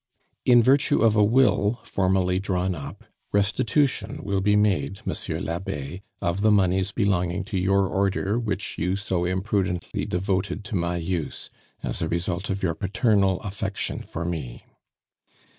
"In virtue of a will formally drawn up, restitution will be made, Monsieur l'Abbe, of the moneys belonging to your Order which you so imprudently devoted to my use, as a result of your paternal affection for me.